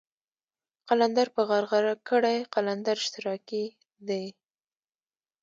قلندر په غرغره کړئ قلندر اشتراکي دی.